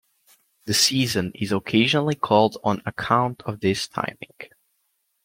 The season is occasionally called on account of this timing.